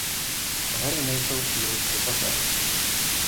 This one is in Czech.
Hory nejsou příliš vysoké.